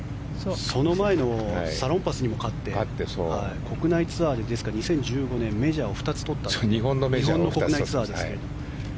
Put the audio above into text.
その前のサロンパスにも勝って国内ツアーで２０１５年メジャーを２つ取った日本の国内ツアーですが。